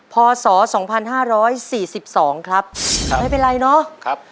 พศสองพันห้าร้อยสี่สิบสองครับไม่เป็นไรเนาะ